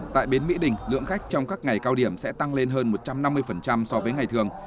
tại bến mỹ đình lượng khách trong các ngày cao điểm sẽ tăng lên hơn một trăm năm mươi so với ngày thường